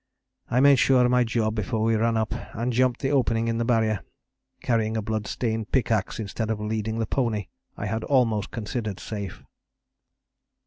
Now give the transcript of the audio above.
I made sure of my job before we ran up and jumped the opening in the Barrier, carrying a blood stained pick axe instead of leading the pony I had almost considered safe.